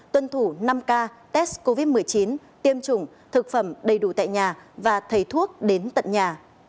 tuân thủ năm k test covid một mươi chín tiêm chủng thực phẩm đầy đủ tại nhà và thầy thuốc đến tận nhà